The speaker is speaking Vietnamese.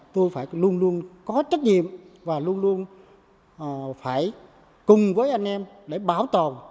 tôi phải luôn luôn có trách nhiệm và luôn luôn phải cùng với anh em để bảo tồn